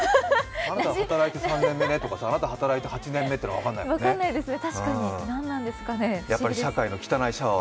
あなたは働いて３年目、あなた働いて８年目というのは分からないですもんね。